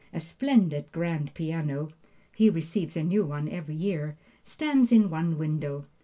A splendid grand piano (he receives a new one every year,) stands in one window.